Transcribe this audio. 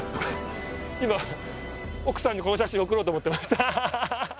今奥さんにこの写真を送ろうと思ってました。